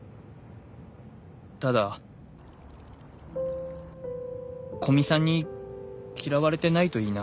ただ古見さんに嫌われてないといいな。